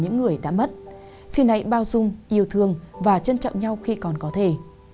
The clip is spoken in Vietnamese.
những người đã mất xin hãy bao dung yêu thương và trân trọng nhau khi còn có thể